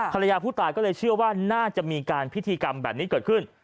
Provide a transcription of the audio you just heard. ภรรยาผู้ตายก็เลยเชื่อว่าน่าจะมีการพิธีกรรมแบบนี้เกิดขึ้น